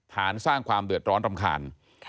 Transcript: สร้างความเดือดร้อนรำคาญ